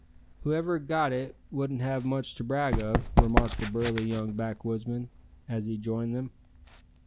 "Whoever got it wouldn't have much to brag of," remarked a burly young backwoodsman, as he joined them.